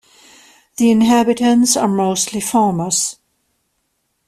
The inhabitants are mostly farmers.